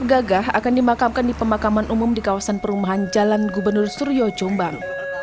gagah akan dimakamkan di pemakaman umum di kawasan perumahan jalan gubernur suryo jombang